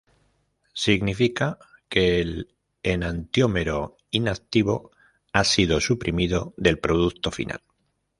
Significa que el enantiómero inactivo ha sido suprimido del producto final.